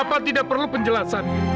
bapak tidak perlu penjelasan